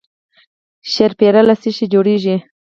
شیرپیره له څه شي جوړیږي؟